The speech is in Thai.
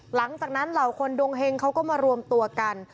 หลังจากนั้นเหล่าคนดวงเฮงเขาก็มารวมตัวกัน